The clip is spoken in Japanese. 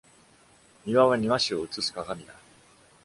庭は庭師を映す鏡だ。